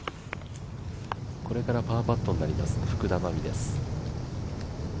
これからパーパットになります福田真未です。